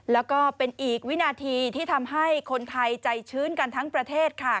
แล้วก็เป็นอีกวินาทีที่ทำให้คนไทยใจชื้นกันทั้งประเทศค่ะ